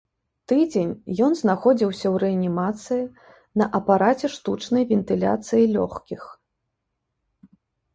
Тыдзень ён знаходзіўся ў рэанімацыі на апараце штучнай вентыляцыі лёгкіх.